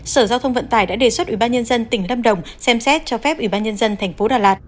sở giao thông vận tải đã đề xuất ủy ban nhân dân tỉnh lâm đồng xem xét cho phép ủy ban nhân dân tp đà lạt